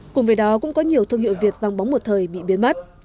cùng với đó cũng có nhiều thương hiệu việt vang bóng một thời bị biến mất